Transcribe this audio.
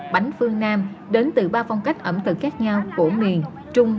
bánh phương nam đến từ ba phong cách ẩm tự khác nhau của miền trung